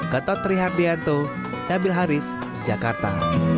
gatot trihardianto nabil haris jakarta